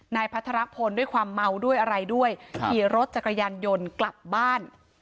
พัทรพลด้วยความเมาด้วยอะไรด้วยขี่รถจักรยานยนต์กลับบ้าน